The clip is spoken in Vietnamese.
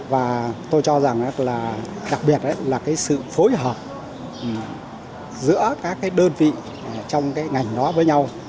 và tôi cho rằng đặc biệt là sự phối hợp giữa các đơn vị trong ngành đó với nhau